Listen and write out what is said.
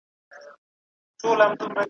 له بده مرغه ځيني ډلي او اشخاص ئې ګمراه کړي دي.